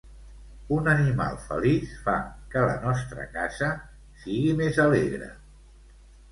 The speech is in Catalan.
Un animal feliç fa que la nostra casa sigui més alegre.